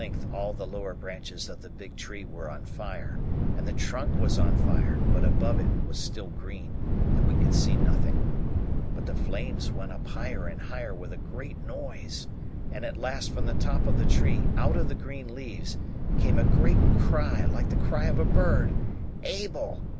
At length all the lower branches of the big tree were on fire, and the trunk was on fire, but above it was still green, and we could see nothing. But the flames went up higher and higher with a great noise; and at last from the top of the tree, out of the green leaves, came a great cry, like the cry of a bird: 'Abel!